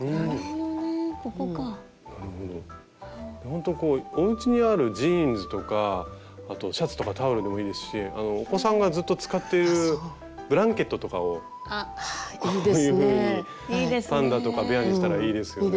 ほんとこうおうちにあるジーンズとかシャツとかタオルでもいいですしお子さんがずっと使っているブランケットとかをこういうふうにパンダとかベアにしたらいいですよね。